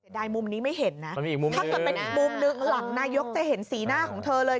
เดี๋ยวดายมุมนี้ไม่เห็นนะถ้าเป็นมุมหนึ่งหลังนายกจะเห็นสีหน้าของเธอเลย